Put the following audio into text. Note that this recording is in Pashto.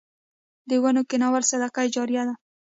د ونو کینول صدقه جاریه ده